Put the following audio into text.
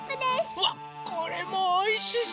うわっこれもおいしそう！